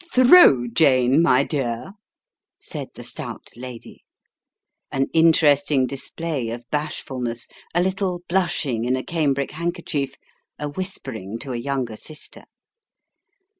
" Throw, Jane, my dear," said the stout lady. An interesting dis play of bashfulness a little blushing in a cambric handkerchief a whispering to a younger sister.